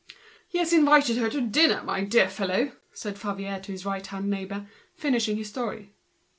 "He has invited her to dinner, my dear fellow," said Favier to his right hand neighbor, finishing his story.